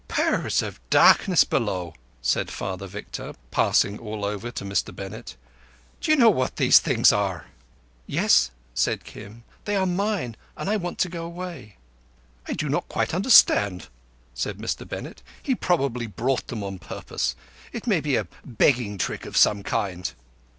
"Powers of Darkness below!" said Father Victor, passing all over to Mr Bennett. "Do you know what these things are?" "Yes." said Kim. "They are mine, and I want to go away." "I do not quite understand," said Mr Bennett. "He probably brought them on purpose. It may be a begging trick of some kind."